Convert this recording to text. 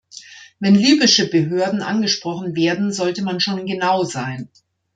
Wenn libysche Behörden angesprochen werden, sollte man schon genau sein.